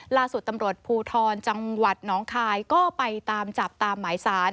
ล่าสุดตำรวจภูทรจังหวัดน้องคายก็ไปตามจับตามหมายสาร